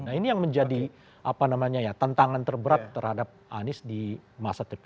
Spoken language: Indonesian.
nah ini yang menjadi apa namanya ya tantangan terberat terhadap anies di masa terpilih